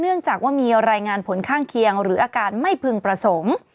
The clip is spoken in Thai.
จากว่ามีรายงานผลข้างเคียงหรืออาการไม่พึงประสงค์